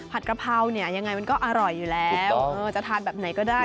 กะเพราเนี่ยยังไงมันก็อร่อยอยู่แล้วจะทานแบบไหนก็ได้